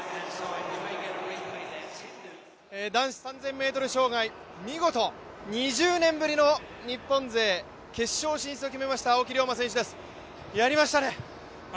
男子３０００ｍ障害、見事２０年ぶりの日本勢決勝進出を決めた青木涼真選手です、やりましたね。